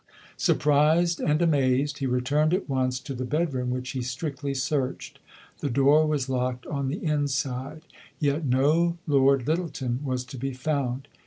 Surprised and amazed, he returned at once to the bedroom, which he strictly searched. The door was locked on the inside, yet no Lord Lyttelton was to be found.